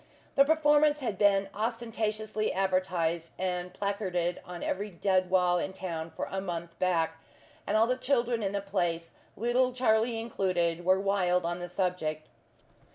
The performance had been ostentatiously advertised and placarded on every dead wall in town for a month back, and all the children in the place, little Charlie included, were wild on the subject.